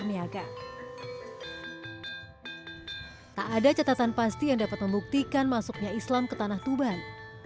tak ada catatan pasti yang dapat membuktikan masuknya islam ke tanah tuban